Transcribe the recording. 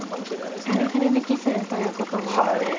やはりテレビ棋戦ということもあって。